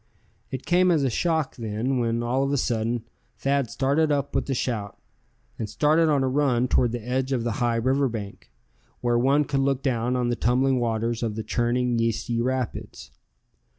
It came as a shock, then, when all of a sudden Thad started up with a shout, and started on a run toward the edge of the high river bank, where one could look down on the tumbling waters of the churning yeasty rapids.